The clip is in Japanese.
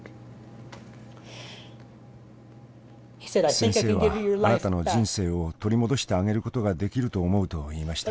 先生は「あなたの人生を取り戻してあげることができると思う」と言いました。